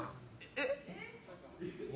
えっ？